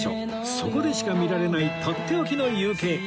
そこでしか見られないとっておきの夕景